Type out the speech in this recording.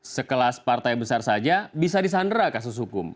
sekelas partai besar saja bisa disandera kasus hukum